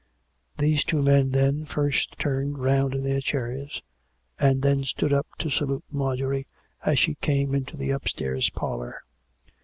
These two men, then, first turned round in their chairs, and then stood up to salute Marjorie, as she came into the upsrtairs parlour.